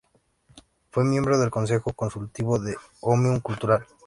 Fue miembro del consejo consultivo de Òmnium Cultural.